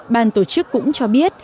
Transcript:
ban tổ chức cũng cho biết